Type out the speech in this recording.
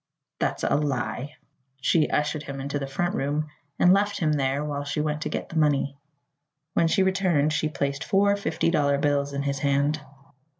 "That's a lie." She ushered him into the front room and left him there while she went to get the money. When she returned she placed four fifty dollar bills in his hand.